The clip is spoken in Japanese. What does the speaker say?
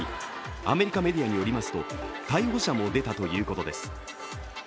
アメリカメディアによりますと逮捕者も出たということです。